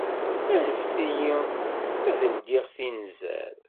Anfet-iyi ad ldiɣ tinzar